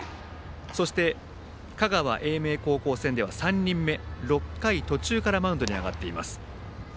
そして、香川・英明高校戦では３人目６回途中からマウンドに上がっています。